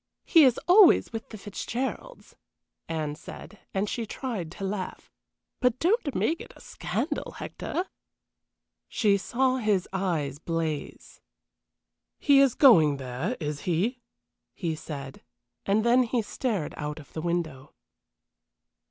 He is always with the Fitzgeralds," Anne said, and she tried to laugh. "But don't make a scandal, Hector." She saw his eyes blaze. "He is going there, is he?" he said, and then he stared out of the window.